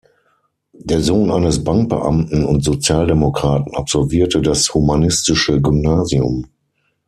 Der Sohn eines Bankbeamten und Sozialdemokraten absolvierte das Humanistische Gymnasium.